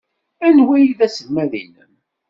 Anwa ay d aselmad-nnem?